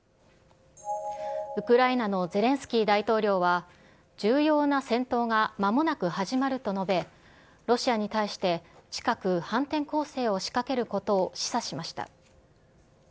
ウクライナのゼレンスキー大統領は、重要な戦闘がまもなく始まると述べ、ロシアに対して、近く反転攻勢を仕掛けることを示唆しました。